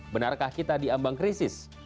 benarkah kita diambang krisis